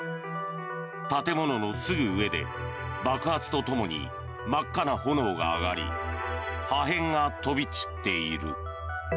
建物のすぐ上で爆発とともに真っ赤な炎が上がり破片が飛び散っている。